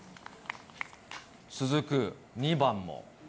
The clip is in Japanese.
続く２番も。